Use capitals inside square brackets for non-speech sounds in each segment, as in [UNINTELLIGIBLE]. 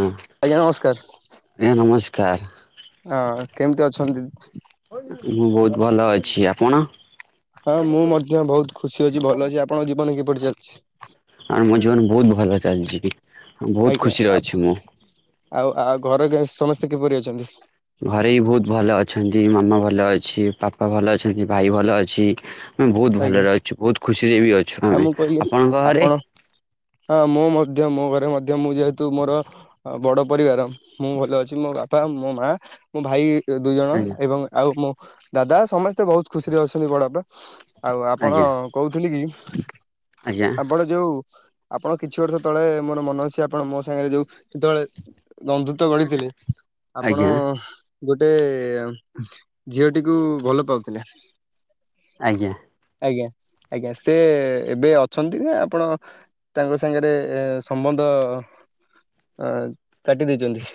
ହଁ ଆଜ୍ଞା ଆଜ୍ଞା ନମସ୍କାର, ନମସ୍କାର ହଁ କେମିତି ଅଛନ୍ତି? କଣ? ହଁ ମୁଁ ମଧ୍ୟ ବହୁତ ଖୁସି ଅଛି। ଭଲ ଅଛି। ଆପଣଙ୍କ ଜୀବନ କିପରି ଚାଲିଛି? ଆ ମୋ ଜୀବନ ବହୁତ ଭଲ ଚାଲିଚି ଟି ବହୁତ ଆଜ୍ଞା ଖୁସିରେ ଅଛି ମୁଁ। ଆଉ ଆଉ ଘରେ କେ ସମସ୍ତେ କିପରି ଅଛନ୍ତି? ଘରେ ବି ବହୁତ ଭଲ ଅଛନ୍ତି। ଦି ମାମା ଭଲ ଅଛି। ପାପା ଭଲ ଅଛନ୍ତି। ଭାଇ ଭଲ ଅଛି। ହୁଁ ବହୁତ ଆଜ୍ଞା ଭଲରେ ଅଛୁ। ବହୁତ ଖୁସିରେ ବି ଅଛୁ ଆଉ ଆମେ। ମୁଁ କହିଲି ଆପଣଙ୍କ ଘରେ? ଧ୍ୟ ମୋ ଘରେ ମଧ୍ୟ ମୁଁ ଯେହେତୁ ମୋର ଅ, ବଡ଼ ପରିବାର ମୁଁ ଭଲ ଅଛି ମୋ ବାପା ମୋ ମା ମୋ ଭାଇ ଦୁଇ ଜଣ ଆଜ୍ଞା ଏବଂ ଆଉ ମୋ ଦାଦା ସମସ୍ତେ ବହୁତ ଖୁସିରେ ଅଛନ୍ତି। ବଡପା ଆଉ ଆପଣ ଆଜ୍ଞା କହୁଥିଲି କି ଆଜ୍ଞା ଆପଣ ଯୋଉ ଆପଣ କିଛି ବର୍ଷ ତଳେ ମୋର ମନେ ଅଛି ଆପଣ ମୋ ସାଙ୍ଗରେ ଯୋଉ ସେତେବେଳେ ବନ୍ଧୁତ୍ୱ ଗଢିଥିଲେ। ଆପଣ ଆଜ୍ଞା ଗୋଟେ ଝିଅଟିକୁ ଭଲ ପାଉଥିଲେ। ଆଜ୍ଞା। ଆଜ୍ଞା, ଆଜ୍ଞା ସେ ଏବେ ଅଛନ୍ତି ନା? ଆପଣ ତାଙ୍କ ସାଙ୍ଗରେ ସମ୍ବନ୍ଧ ଅ, କାଟି ଦେଇଚନ୍ତି?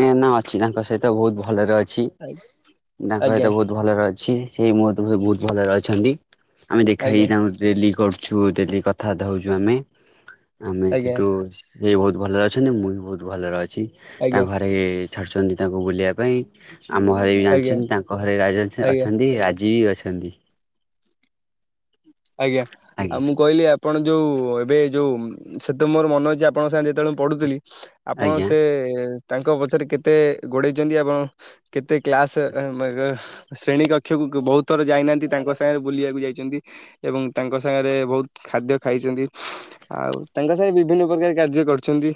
ଏ ନା ଅଛି ତାଙ୍କ ସହିତ ବହୁତ ଭଲରେ ଅଛି। ଆଜ୍ଞା ତାଙ୍କ ଆଜ୍ଞା ସହିତ ବହୁତ ଭଲରେ ଅଛି। ସେଇ ମୋ [UNINTELLIGIBLE] ବହୁତ ଭଲରେ ଅଛନ୍ତି। ଆମେ ଦେଖା ହେଇ ଆଜ୍ଞା ତାଙ୍କୁ ଡେଲି କର ଛୁ, ଡେଲି କଥାବାର୍ତ୍ତା ହଉଛୁ ଆମେ। ଆମେ ଆଜ୍ଞା ସେଠୁ ସେ ବହୁତ ଭଲରେ ଅଛନ୍ତି। ମୁଁ ବି ବହୁତ ଭଲରେ ଅଛି। ଆଜ୍ଞା ତାଙ୍କ ଘରେ ଛାଡ଼ୁଛନ୍ତି ତାଙ୍କୁ ବୁଲିବା ପାଇଁ। ଆମ ଘରେ ବି ଜାଣିଛନ୍ତି। ତାଙ୍କ ଘରେ ରାଜ ଅଛ ଆଜ୍ଞା। ଅଛନ୍ତି, ରାଜି ଅଛନ୍ତି। ଆଜ୍ଞା ଆଉ ଆଜ୍ଞା। ମୁଁ କହିଲି ଆପଣ ଯୋଉ ଏବେ ଯୋଉ ସେତ ମୋର ମନେ ଅଛି ଆପଣଙ୍କ ସାଙ୍ଗେ ଯେ ଯେତେବେଳେ ମୁଁ ପଢ଼ୁଥିଲି। ଆପଣ ଆଜ୍ଞା ସେ ତାଙ୍କ ପଛରେ କେତେ ଗୋଡ଼େଇଚନ୍ତି। ଆପଣ କେତେ କ୍ଲାସ୍ ଅ ମଗ ଶ୍ରେଣୀ କକ୍ଷକୁ କୁ-ବହୁତ ଥର ଯାଇନାହାନ୍ତି ତାଙ୍କ ସାଙ୍ଗରେ ବୁଲିବାକୁ ଯାଇଚନ୍ତ ଏବଂ ତାଙ୍କ ସାଙ୍ଗରେ ବହୁତ ଖାଦ୍ୟ ଖାଇଚନ୍ତି। ଆଉ ତାଙ୍କ ସାଙ୍ଗରେ ବିଭିନ୍ନ ପ୍ରକାର କାର୍ଯ୍ୟ କରିଛନ୍ତି।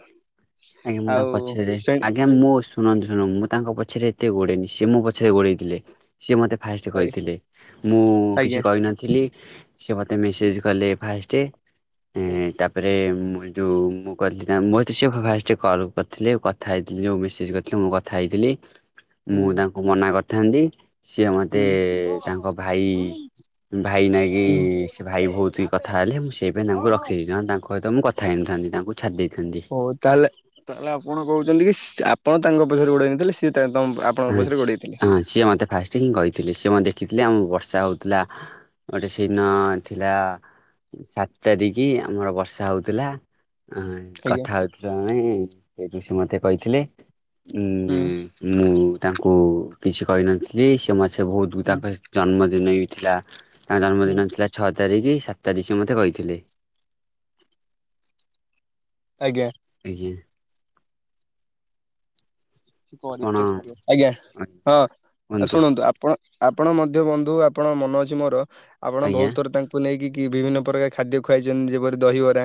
ଆଜ୍ଞା ମୁଁ ତାଙ୍କ ଆଉ ପଛରେ। ଶ୍ରେଣୀ ଆଜ୍ଞା ମୋ ଶୁଣନ୍ତୁ ଶୁଣ ମୁଁ ତାଙ୍କ ପଛରେ ଏତେ ଗୋଡେନି ସେ ମୋ ପଛରେ ଗୋଡେଇ ଥିଲେ। ସିଏ ମୋତେ ଫାଷ୍ଟ କହିଥିଲେ। ମୁଁ ଆଜ୍ଞା କିଛି କହିନଥିଲି ସେ ମୋତେ ମେସେଜ୍ କଲେ ଫାଷ୍ଟେ ଏଁ, ତାପରେ ମୁଁ ସେଠୁ ମୁଁ କହିଥିଲି ତାଙ୍କ ମୋତେ ସିଏ ଫାଷ୍ ଟ- କଲ୍ କରିଥିଲେ। କଥା ହେଇଥିଲେ ଯୋଉ ମେସେଜ୍ କରିଥିଲେ ମୁଁ କଥା ହେଇଥିଲି। ହୁଁ ମୁଁ ତାଙ୍କୁ ମନା କର ଥାନ୍ତି। ସିଏ ମୋତେ ତାଙ୍କ ଭାଇ ଭାଇ ନାଇକି ସେ ଭାଇ ବହୁତ କି କଥା ହେଲେ ମୁଁ ସେଇ ପାଇଁ ତାଙ୍କୁ ହୁଁ। ରଖିଚି। ନହେନ ତାଙ୍କ ସହିତ ମୁଁ କଥା ହେଇନିି। ଥାନ୍ତି, ତାଙ୍କୁ ଛାଡି ଦେଇଥାନ୍ତି। ହଉ ତାହେଲେ ତାହେଲେ ଆପଣ କହୁଚନ୍ତି କି ଆପଣ ତାଙ୍କ ପଛରେ ଗୋଡେଇ ନଥିଲେ। ସିଏ ତେ ତମ ଆପଣଙ୍କ ପଛରେ ଗୋଡେଇଥିଲେ। ସି ହିଁ କହିଥିଲି ସେ ମୋତେ ଦେଖିଥିଲେ। ଆମ ବର୍ଷା ହଉଥିଲା ଗୋଟେ ସେଇଦିନ ଥିଲା ସାତ ତାରିକି ଆମର ବର୍ଷା ହଉଥୁଲା। ଆଜ୍ଞା କଥା ହଉଥିଲୁ ଆମେ ସେ ମତେ କହିଥିଲେ। ମୁଁ ହୁଁ ବି ମୁଁ ତାଙ୍କୁ କିଛି କହିନଥିଲି। ବୋଧେ ହୁଁ ତାଙ୍କ ଜନ୍ମଦିନ ହିଁ ଥିଲା ତାଙ୍କ ହୁଁ ଜନ୍ମଦିନ ଥିଲା ଛଅ ତାରିଖ ସାତ। ଇତ୍ୟାଦି ସେ ମତେ କହିଥିଲେ। ଆଜ୍ଞା। ଆଜି। ଆପଣ ଆଜ୍ଞା ହଁ କୁହନ୍ତୁ ଶୁଣନ୍ତୁ ଆପଣ ଆପଣ ମଧ୍ୟ ବନ୍ଧୁ ଆ ଆପଣ ମନେ ଅଛି ମୋର ଆପଣ ଆଜ୍ଞା ବହୁତ ଥର ତାଙ୍କୁ ନେଇକି କି। ବିଭିନ୍ନ ପ୍ରକାର ଖାଦ୍ୟ ଖୁଆଇଛନ୍ତି ଯେପରି ଦହିବରା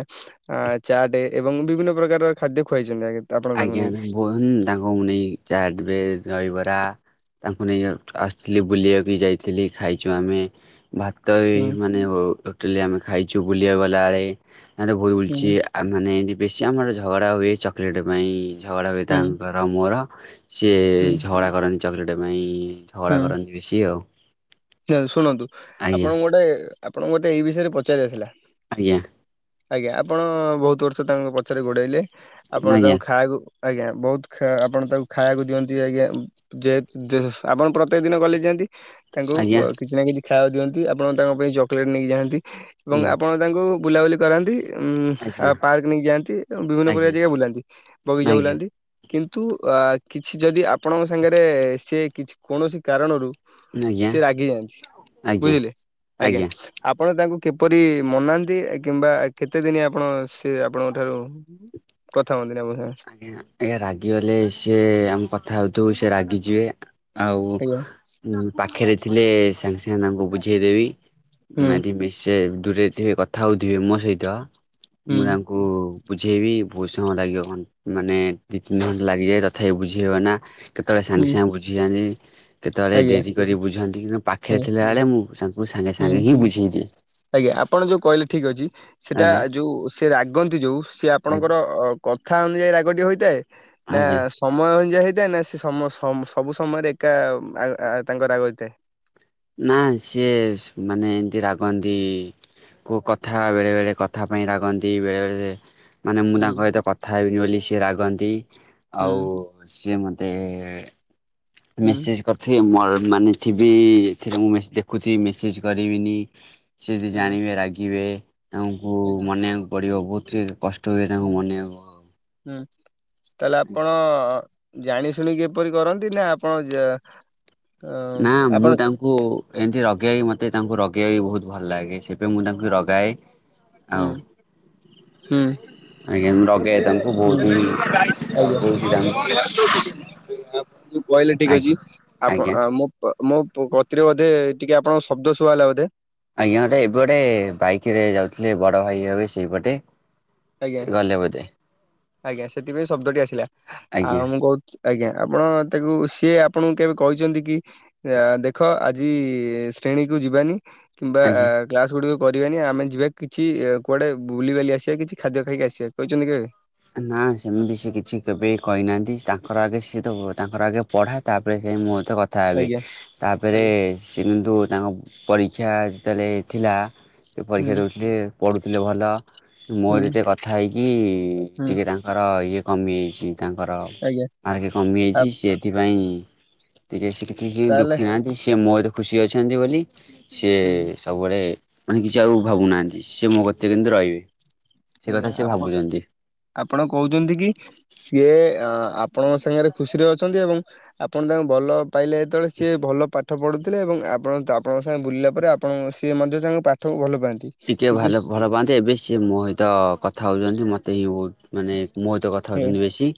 ଆ ଚାଟ ଏବଂ ବିଭିନ୍ନ ପ୍ରକାର ଖାଦ୍ୟ ଖୁଆଇଛନ୍ତି। ଆପଣ ତାଙ୍କୁ ଆଜ୍ଞା ନେଇକି। ବ ତାଙ୍କୁ ମୁ ନେଇ କି ଚାର୍ଟ ଏ ଦହିବରା। ତାଙ୍କୁ ନେଇକି ଆସିଥିଲି ବୁଲିବାକୁ ଯାଇଥିଲି ଖାଇଛୁ ଆମେ। ଭାତ ବି ହୁଁ ମାନେ ଟୋଟାଲି ଆମେ ଖାଇଛୁ ବୁଲିବାକୁ ଗଲାବେଳେ ନା ତ ବହୁତ ବୁଲୁଛି ହୁଁ ଆମେମାନେ ଏମତି ବେଶୀ ଆମର ଝଗଡ଼ା ହୁଏ ଚକୋଲେଟ୍ ପାଇଁ ଝଗଡ଼ା ବିଏ ହୁଁ ତାଙ୍କର ମୋର ସିଏ ହୁଁ ଝଗଡ଼ା କରନ୍ତି ଚକୋଲେଟ୍ ପାଇଁ ଝଗଡ଼ା କରନ୍ତି ବି ସି ଏ ଶନ୍ତୁ ଶୁଣନ୍ତୁ ଆପଣଙ୍କୁ ଗୋଟେ ଆପଣଙ୍କୁ ଗୋଟେ ଏଇ ବିଷୟରେ ପଚାରିବାର ଥିଲା ଆଜ୍ଞା ଆଜ୍ଞା ଆପଣ ବହୁତ ବର୍ଷ ତାଙ୍କ ପଛରେ ଗୋଡେଇଲେ ଆପଣ ତାଙ୍କୁ ଖା କୁ ଆଜ୍ଞା ବହୁତ ଆପଣ ତାକୁ ଖାଇବାକୁ ଦିଅନ୍ତି ଆଜ୍ଞା ଯେହେ ଯେହେ ତୁ ଆପଣ ପ୍ରତ୍ୟେକ ଦିନ ଗଲେ ଯାଆନ୍ତି ତାଙ୍କୁ ଆଜ୍ଞା ଆଜ୍ଞା କିଛି ନା କିଛି ଖାଇବା ଦିଅନ୍ତି ଆପଣ ତାଙ୍କ ପାଇଁ ଚକୋଲେଟ୍ ନେଇକି ଯାଆନ୍ତି। ଏବଂ ଆପଣ ତାଙ୍କୁ ବୁଲାବୁଲି କରାନ୍ତି। ଆଜ୍ଞା ଉ ପାର୍କ ନେଇକି ଯାଆନ୍ତି ବିଭିନ୍ନ ଆଜ୍ଞା ପ୍ରକାର ଆଜ୍ଞା ଜାଗା ବୁଲାନ୍ତି ବଗିଚା ଆଜ୍ଞା ବୁଲାନ୍ତି କିନ୍ତୁ। ବା କିଛି ଯଦି ଆପଣଙ୍କ ସାଙ୍ଗରେ ସେ କିଛି କୌଣସି କାରଣରୁ ଆଜ୍ଞା ସେ ରାଗି ଯାଆନ୍ତି ଆଜ୍ଞା ବୁଝିଲେ ଆଜ୍ଞା ଆପଣ ଙ୍କୁ କିପରି ମନାନ୍ତି କିମ୍ବା କେତେଦିନ ଆପଣ ସେ ଆପଣଙ୍କ ଠାରୁ। କଥା ମନ୍ତବ ଆଜ୍ଞା ରାଗି ଗଲେ ସିଏ ଆମେ କଥା ହଉଥିବ ସେ ରାଗି ଯିବେ। ଆଉ ଆଜ୍ଞା ପାଖରେ ଥିଲେ ସାଙ୍ଗେ ସାଙ୍ଗେ ତାଙ୍କୁ ବୁଝେଇଦେବି। ହୁଁ ମାରି ବିଶେ ଦୂରେ ଥିବେ କଥା ହଉଥିବେ ମୋ ସହିତ ମୁଁ ହୁଁ ତାଙ୍କୁ ବୁଝେଇବି ବହୁତ ସମୟ ଲାଗିବ ମାନେ ଦୁଇ ତିନି ଘଣ୍ଟା ଲାଗିଯାଏ ତଥାପି ବୁଝେଇବ ନା କେତେବେଳେ ସାଙ୍ଗେ ହୁଁ ସାଙ୍ଗେ ବୁଝିଯାଆନ୍ତି କେତେବେଳେ ଆଜ୍ଞା ଡେରି କରିକି ବୁଝନ୍ତି କିନ୍ତୁ ପାଖରେ ଆଜ୍ଞା ଥିଲାବେଳେ ମୁଁ ତାଙ୍କୁ ସାଙ୍ଗେ ହୁଁ ସାଙ୍ଗେ ହିଁ ବୁଝେଇଦିଏ। ଆଜ୍ଞା ଆପଣ ଯୋଉ କହିଲେ ଠିକ ଅଛି ସେଇଟା ଆଜ୍ଞା ଯୋଉ ସେ ରାଗନ୍ତି ଯୋଉ ସେ ଆପଣଙ୍କର କଥା ଅନୁଯାୟୀ ରାଗଟି ହୋଇଥାଏ। ନା ଆଜ୍ଞା ସମୟ ଅନୁୟାଈ ହେଇଥାଏ ନା ସେ ସମ- ସବୁ ସମୟରେ ଏକା ତାଙ୍କ ରାଗ ହୋଈଥାଏ। ନା ସିଏ ମାନେ ଏମିତି ରାଗନ୍ତି କେଉଁ କଥା ବେଳେବେଳେ କଥା ପାଇଁ ରାଗନ୍ତି ବେଳେବେେଳେ। ମାନେ ମୁଁ ହୁଁ ତାଙ୍କ ସହିତ କଥା ହେବିନି ବୋଲି ସିଏ ରାଗନ୍ତି ହୁଁ ଆଉ ସିଏ ମତେ ହୁଁ ମେସେଜ କରିଥିବ ମୋର ମାନେ ଥିବି ଏଥିରେ ମୁଁ ଦେଖୁଛି ମେସେଜ କରିବିନି ସେ ଯଦି ଆଜ୍ଞା ଜାଣିବେ ରାଗିବେ ତାଙ୍କୁ ଆଜ୍ଞା ମନେଇବାକୁ ପଡିବ ବହୁତ କଷ୍ଟ। ତାଙ୍କୁ ହୁଁ ମନେଇବାକୁ ହେବ। ହୁଁ ତାହେଲେ ଆପଣ ଜାଣି ଶୁଣିକି ଏପରି କରନ୍ତି ନା ଆପଣ ଅଁ ନା ମୁଁ ଆପଣ ତାଙ୍କୁ ଏମତି ରଗେ ରଗେଇ ମତେ ତାଙ୍କୁ ରଗେଇ ବାକୁ ବହୁତ ଭଲ ଲାଗେ ସେପାଇଁ ମୁଁ ତାଙ୍କୁ ରଗାଏ। ହୁଁ ଆଉ ହୁଁ। ଆଜ୍ଞା ମୁଁ ରଗାଏ ତାଙ୍କୁ ବହୁତ ହିଁ ହୁଁ ରଗଉଛି ତାଙ୍କୁ ଆଜ୍ଞା। ଆପଣ ଯୋଉ କହିଲେ ଠିକ୍ ଆଜ୍ଞା ଅଛି ଆଜ୍ଞା ଆପଣ ମୁଁ ମୁଁ ମୋ କତିରେ ବୋଧେ ଟିକେ ଆପଣଙ୍କ ଶବ୍ଦ ଶୁଭାଗଲା ବୋଧେ ଆଜ୍ଞା ଗୋଟେ ଏପଟେ ବାଇକ୍ ରେ ଯାଉଥିଲେ ବଡ଼ ଭାଇ ହେବେ ସେଇ ପଟେ। ଆଜ୍ଞା ଆଜ୍ଞା ସେଥିପାଇଁ ଶବ୍ଦଟି ଆସିଲା ଆଜ୍ଞା ଆଉ ମୁଁ କହୁଥି ଆଜ୍ଞା ଆପଣ ତାକୁ ସିଏ ଆପଣଙ୍କୁ କେବେ କହିଚନ୍ତି କି ଦେଖ ଆଜି ଶ୍ରେଣୀକୁ ଯିବାନି। କିମ୍ବା ଆଜ୍ଞା। କ୍ଲାସ ଗୁଡିକ କରିବାନି ଆମେ ଯିବା କିଛି କୁଆଡେ ବୁଲିିବାଲି ଆସିବା କିଛି? ଖାଦ୍ୟ ଖାଇକି ଆସିବା କହିଚନ୍ତି କେବେ? ନା ସେମିତି ସି କିଛି କେବେ କହିନାହାନ୍ତି ତାଙ୍କର ଆଗେ ସିଏ ତ ତାଙ୍କର ଆଗେ ପଢା ତାପରେ ସେ ମୋ କଥା ହେବେ। ଆଜ୍ଞା ତାପରେ ଆଜ୍ଞା ସେ କିନ୍ତୁ ତାଙ୍କ ପରୀକ୍ଷା ଯେତେବେଳେ ଥିଲା ସେ ହୁଁ ପରୀକ୍ଷା ଦେଉଥିଲେ ପଢ଼ୁଥିଲେ ଭଲ। ମୋ ହୁଁ ସହିତ କଥା ହେଇକି ହୁଁ। ଟିକେ ତାଙ୍କର ଇଏ କମି ଯାଇଚି। ତାଙ୍କର ଆଜ୍ଞା ମାର୍କେ ଆ କମିଯାଇଚି ସେଥିପାଇଁ ଟିକେ ସି କି ତାହେଲେ ଦୁଃଖୀ ନାହାନ୍ତି ସିଏ ମୋ ସହିତ ଖୁସି ଅଛନ୍ତି ବୋଲି ସିଏ ହୁଁ ସବୁବେଳେ ମାନେ କିଛି ସେ ଆଉ ଭାବୁନାହାନ୍ତି ସେ ମୋ କତିରେ କିନ୍ତୁ ରହିବେ ସେ ଆଜ୍ଞା କଥା ସେ ଆପଣ ଭାବୁଚନ୍ତି। ଆପଣ କୋହୁଚନ୍ତି କି ସିଏ ଆପଣଙ୍କ ସାଙ୍ଗରେ ଖୁସିରେ ଅଛନ୍ତି ଏବଂ ଆପଣ ତାଙ୍କୁ ଭଲ ପାଇଲେ ଯେତେବେଳେ ସିଏ ଭଲ ପାଠ ପଢ଼ୁ ଥିଲେ ଏବଂ ଆପଣ ଆପଣଙ୍କ ସାଙ୍ଗେ ବୁଲିଲା ପରେ ଆପଣ ସିଏ ମଧ୍ୟ ତାଙ୍କ ପାଠକୁ ଭଲ ପାଆନ୍ତି। ଟିକେ କିନ୍ତୁ ଭଲ ଭଲ ପାଆନ୍ତି ଏବେ ସିଏ ମୋ ସହିତ କଥା ହୋଉଚନ୍ତି ମତେ ହିଁ ବୋହୁତ୍ ମାନେ ମୋ ସହିତ କଥା ଆଜ୍ଞା ହୋଉଚନ୍ତି ବେଶୀ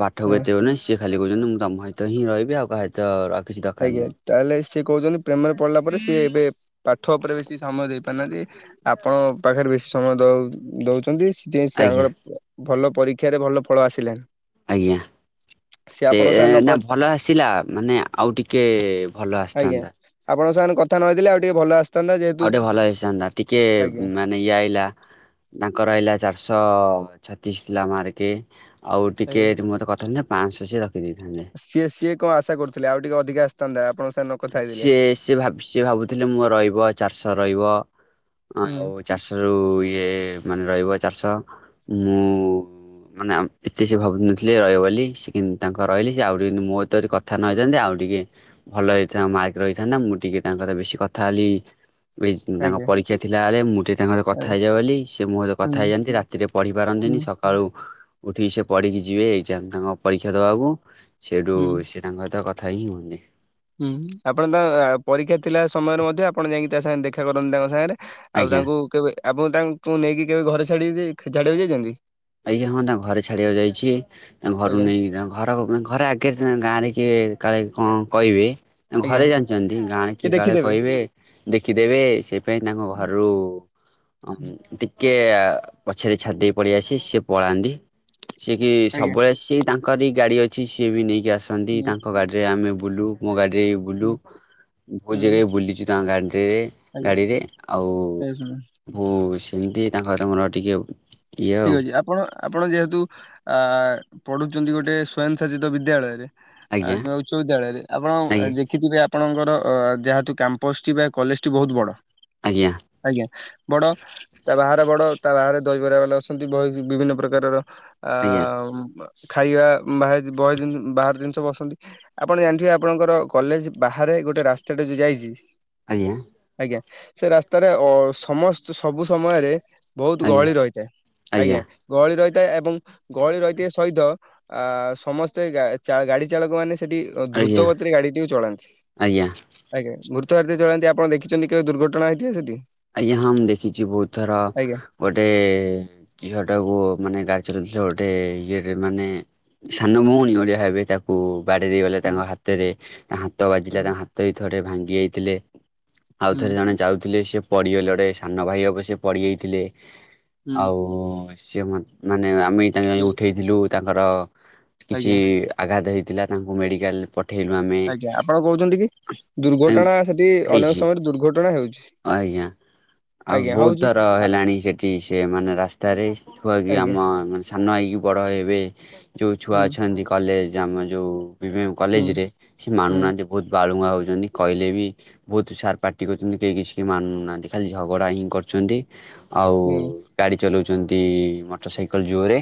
ପାଠକୁ ହଁ ଏତେ ଆଉ ହୋଉନି ସିଏ ଖାଲି କୋହୁଚନ୍ତି ମୁଁ ତମ ସହିତ ହିଁ ରିହିବି ଆଉ କାହା ସହିତ ର ଆଜ୍ଞା ତାହେଲେ ସିଏ କୋହୁଚନ୍ତି ପ୍ରେମରେ ପଢିଲା ପରେ ସିଏ ଏବେ ପାଠ ଉପରେ ବେଶି ସମୟ ଦେଇପାରୁନାହାନ୍ତି ଆପଣଙ୍କ ପାଖରେ ବେଶୀ ସମୟ ଦଉ ଦୋଉଚନ୍ତି। ସି ପାଇଁ ଆଜ୍ଞା ସ୍ୟାଙ୍ଗରେ ଭଲ ପରୀକ୍ଷାରେ ଭଲ ଫଳ ଆସିଲାନି। ଆଜ୍ଞା ସିଏ ସେ ଆପଣଙ୍କ ସାଙ୍ଗେ ନ ନା ଭଲ ଆସିଲା ମାନେ ଆଉ ଟିକେ କେ ଭଲ ଆସିଥାନ୍ତା। ଆପଙ୍କ ସାଙ୍ଗ କଥା ନଥିଲେ ଆଉ ଟିକେ ଭଲ ଆସି ଆଉ ଟିକେ ଭଲ ହେଇସିଥାନ୍ତା ଟିକେ ଆଜ୍ଞା ମାନେ ଇଏ ଆଇଲା ତାଙ୍କ ଆଇଲା ଚାରିଶହ ଛତିଶ ଥିଲା ମାର୍କେ। ଆଉ ଟିକେ ଆଜ୍ଞା। ମୋ ସହ କଥା ହେଇନଥାନ୍ତେ ପାନ୍ସ ସିଏ ରଖିଦେଇଥାନ୍ତେ। ସିଏ ସିଏ କଣ ଆଶା କରୁଥିଲେ ଆଉ ଟିକେ ଅଧିକା ଆସିଥାନ୍ତା ଆପଣଙ୍କ ସାଙ୍ଗେ ନ କଥା ହେଇଥିଲେ। ସିଏ ସିଏ ଭାବ ସିଏ ଭାବୁଥିଲେ ମୋ ରହିବ ଚାରିଶହ ରହିବ। ହୁଁ ଆଉ ଚାରିଶ ରୁ ଇଏ ମାନେ ରହିବ ଚାରିଶହ ମୁଁ ମାନେ ଏତେ ସେ ଭାବୁ ନଥିଲେ ରହିବ ବୋଲି ସେ କିନ୍ତୁ ତାଙ୍କର ରହିଲି। ସେ ଆଉ ଟିକେ ମୋ ସହ କଥା ନହିଥାନ୍ତେ ଆଉ ଟିକେ ଭଲ ହେଇ ମାର୍କ ରହିଥା ମୁଁ ଟିକେ ତାଙ୍କ ବେଶୀ କଥା ହେଲି। ଏ ତାଙ୍କ ଆଜ୍ଞା ପରୀକ୍ଷା ଥିଲା ବଳେ ମୁଁ ଟେ ତାଙ୍କ ସହିତ କଥା ଆଜ୍ଞା ହେଇଯାଏ ବୋଲି ସେ ମୋ ସହିତ କଥା ହୁଁ ହେଇଯାନ୍ତି ରାତିରେ ପଢି ପାରନ୍ତିନି। ହୁଁ ସକାଳୁ ଉଠିକି ସେ ପଢିକି ଯିବେ ଏଗ୍ଜାମ ତାଙ୍କ ପରୀକ୍ଷା ଦବାକୁ। ସେଇଠୁ ହୁଁ ସିଏ ତାଙ୍କ ସହିତ କଥ ଥାଇ ହୋଉନି। ହୁଁ ଆପଣ ତା ପରୀକ୍ଷା ଥିଲା ସମୟରେ ମଧ୍ୟ ଆପଣ ଯାଇକି ତା ସାଙ୍ଗରେ ଦେଖା କରନ୍ତି ତାଙ୍କ ସାଙ୍ଗରେ? ଆଉ ଆଜ୍ଞା ତାଙ୍କୁ କେବେ ଆପଣ ତାଙ୍କୁ ନେଇକି କେବେ ଘରେ ଛାଡିିକି ଛାଡ଼ିବାକୁ ଯାଇଛନ୍ତି। ଆଜ୍ଞା ହଁ ତାଙ୍କ ଘରେ ଛାଡିବାକୁ ଯାଇଛି। ତାଙ୍କ ଘରକୁ ଆଜ୍ଞା ନେଇକି ତା ଘର ଘରେ ଆଗରେ ଗାଁରେ। ଟିକେ କାଳେ କଣ କହିବେ? ଆଜ୍ଞା ଘରେ ଜାଣିଛନ୍ତି। ଗାଁରେ କିଏ କାଳେ କହିବେ ଦେଖିଦେବେ। ସେ ପାଇଁ ତାଙ୍କ ଆଜ୍ଞା ଘରୁ- ହଁ ହୁଁ ଟିକେ। ଆ ପଛରେ ଛାଡ଼ିଦେଇ ପଳିଆସି। ସେ ପଳାନ୍ତି ସେ କି ସବୁବେଳ ସେ ତାଙ୍କରି ଗାଡ଼ିଅ ଅଛି ସିଏ ବି ନେଇକି ଆସନ୍ତି। ହୁଁ ତାଙ୍କ ଗାଡିରେ ଆମେ ବୁଲୁ। ମୋ ଗାଡିରେ ବୁଲୁ। ବହୁତ ଜାଗାରେ ବୁଲିଛୁ ତାଙ୍କ ଗାଡିରେ ହୁଁ ଆଜ୍ଞା ଗାଡିରେ ଆଉ ଏ ଶୁଣ ବହୁ- ସେମିତି ତାଙ୍କତ ମୋର ଟିକିଏ ଇଏ ଠିକ୍ ଆଉ। ଅଛି ଆପଣ ଆପଣ ଯେହେତୁ ଆ ପଢୁଛନ୍ତି ଗୋଟେ ସ୍ଵୟଂସାଶିତ ବିଦ୍ୟାଳୟରେ। ଆଜ୍ଞା କିମ୍ବା ଉଚ୍ଚ ବିଦ୍ୟାଳୟରେ ଆପଣ ଆଜ୍ଞା ଦେଖିଥିବେ। ଆପଣଙ୍କର ଯେହେତୁ କ୍ୟାମ୍ପସଟି ବା କଲେଜଟି ବହୁତ ବଡ଼। ଆଜ୍ଞା ଆଜ୍ଞା ବଡ ତା ବାହାର ବଡ ତା ବାହାରେ ଦହିବରା ବଲା ବ [UNINTELLIGIBLE] ବହି ବିଭିନ୍ନ ପ୍ରକାରର ଅ ଖାଇବା ବା ବହେ ବାହାର ଜିନିଷ ବସନ୍ତି ଆପଣ ଜାଣିଥିବେ ଆପଣଙ୍କର? କଲେଜ ବାହାରେ ଗୋଟିଏ ରାସ୍ତାଟା ଯେଉଁ ଯାଇଛି। ଆଜ୍ଞା। ଆଜ୍ଞା। ସେ ରାସ୍ତାରେ ଅ ସମସ୍ତ ସବୁ ସମୟରେ ବହୁତ ଆଜ୍ଞା ଗହଳି ରହିଥାଏ। ଆଜ୍ଞା ଗହଳି ରହିଥାଏ ଏବଂ ଗହଳି ରହିଥିବାଏ ସହିତ ଆ ସମସ୍ତେ ଗାଡି ଚାଳକ ମାନେ ସେଠି ଆଜ୍ଞା ଦ୍ରୁତ ଗତିରେ ଗାଡିଟି ଚଳାନ୍ତି ଆଜ୍ଞା ଆଜ୍ଞା। ତଥ ଚଳାନ୍ତି ଆପଣ ଦେିଛନ୍ତି କେବେ ଦୁର୍ଘଟଣା ହୋଇଇଥିବ ସେଠି? ଆଜ୍ଞା ହଁ ମୁଁ ଦେଖିଛି ବହୁତ ଥର ଆଜ୍ଞା। ଗୋଟେ ଝିଅ ଟାକୁ ମାନେ ଗାଡ଼ି ଚଲଥିଲା ଗୋଟେ ଇଏରେ ମାନେ ସାନ ଭଉଣୀ ଓଳିଆ ଭାବେ ତାକୁ ବାଡ଼ି ଦେଇ ଗଲେ ହୁଁ ତାଙ୍କ ହାତରେ ତା ହାତ ବାଜିଲା ହୁଁ ତାଙ୍କ ହାତ ବି ଥରେ ଭାଙ୍ଗି ଯାଇଥିଲେ। ହୁଁ ଆଉଥରେ ଜଣେ ଯାଉଥିଲେ ସେ ପଡିଗଲେ ଲଡେ ସାନ ଭାଇ ହେବ ସେ ପଡିଯାଇଥିଲେ। ହୁଁ ଆଉ ସିଏ ମାନେ ଆମେ ତାଙ୍କ କି ଉଠେଇଥିଲୁ ତାଙ୍କର କିଛି ଆଜ୍ଞା ଆଘାତ ହେଇଥିଲା ତାଙ୍କୁ ମେଡିକାଲ ପଠ ଆଜ୍ଞା ଆପଣ କହୁଛନ୍ତି କି ଦୁର୍ଘଟଣା ସେଠି ହେଇଛି ଅନେକ ସମୟରେ ଦୁର୍ଘଟଣା ହେଉଛି। ଆଜ୍ଞା ଆଉ ଆଜ୍ଞା ବହୁତ ହଉଛି। ଥର ଆ- ହେଲାଣି ସେଠି ସେ ମାନେ ରାସ୍ତାରେ। ଛୁଆକ ଆଜ୍ଞା ଆମ ମାନେ ସାନ ହେଇକି ବଡ଼ ହେବେ ଯେଉଁ ଛୁଆ ହୁଁ ଅଛନ୍ତି କଲେଜ ଆମ ଯଉ ବିଭି ହୁଁ କଲେଜ ରେ ସେ ହୁଁ ମାନୁନାହାନ୍ତି ବହୁତ ବାଳୁଙ୍ଗା ହଉଛନ୍ତି। କହିଲେ ବି ବହୁତ ସାର୍ ପାାର୍ଟି କରୁଛନ୍ତି କେହି କିଛି କେହି ମାନୁନାହାଁନ୍ତି ଖାଲି ଝଗଡ଼ା ହିଁ କରୁଛନ୍ତି। ଆଉ ହୁଁ ଗାଡି ଚଲାଉଛନ୍ତି ମୋଟର ସାଇକେଲ ଜୋରରେ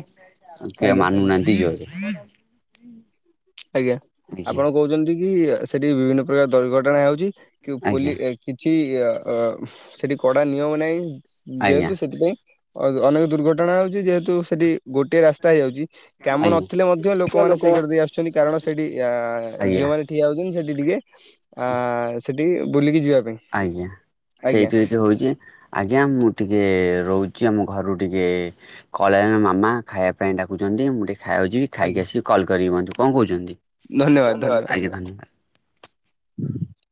କିଏ ଆଜ୍ଞା। ମାନୁନାହାନ୍ତି ଜୋରରେ। [UNINTELLIGIBLE] ଆଜ୍ଞା ଆପଣ କହୁଛନ୍ତି କି ସେଠି ବିଭିନ୍ନ ପ୍ରକାର ଦୁର୍ଘଟଣା ହେଉଛି। କି ଆଜ୍ଞା ପୋଲି କିଛି ଅ ସେଠି କଡା ନିୟମ ନାହିଁ। ଆଜ୍ଞା ଯେହେତୁ ସେଥିପାଇଁ ଅନେକ ଦୁର୍ଘଟଣା ହଉଛି ଯେହେତୁ ସେଠି ଗୋଟିଏ ରାସ୍ତା ହେଇଯାଉଛି। କାମ ଆଜ୍ଞା ନଥିଲେ ମଧ୍ୟ ଲୋକମାନେ ଲୋକ ସେଇ ଗଡେ ଦ ଆସୁ କାରଣ ସେଠି ଅ ଝିଅ ଆଜ୍ଞା ମାନ ଠିଆ ହଉଛନ୍ତି ସେଠି ଟିକେ ଆ ସେଠି ବୁଲିକି ଯିବା ପାଇଁ ଆଜ୍ଞା ଆଜ୍ଞା ସେଇଥିରେ ତ ହଉଛି ଆଜ୍ଞା ମୁଁ ଟିକେ ର ରହୁଛି ଆମ ଘରୁ ଟିକେ କଳଜ ମାମା ଖାଇବା ପାଇଁ ଡାକୁଛନ୍ତି ମୁଁ ଟିକେ ଖାଇାଉଛି ଖାଇକି ଆଜ୍ଞା ଆସିକି କଲ୍ କରି ହିଅନ୍ତୁ କଣ କହୁଛନ୍ତି ଧନ୍ୟବାଦ ଆ ଧନ୍ୟବାଦ। [INAUDIBLE]